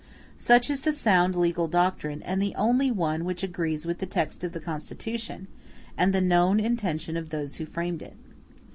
Such is the sound legal doctrine, and the only one which agrees with the text of the Constitution, and the known intention of those who framed it.